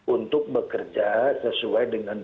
untuk bekerja sesuai dengan